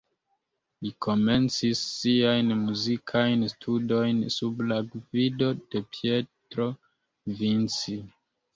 Li komencis siajn muzikajn studojn sub la gvido de Pietro Vinci.